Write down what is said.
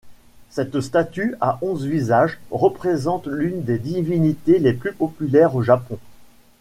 Cette statue à onze visages représente l'une des divinités les plus populaires au Japon.